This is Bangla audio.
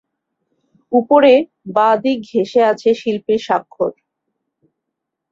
উপরে বাঁ দিক ঘেঁষে আছে শিল্পীর স্বাক্ষর।